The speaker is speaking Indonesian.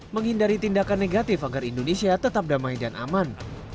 menghindari tindakan negatif agar indonesia tetap damai dan aman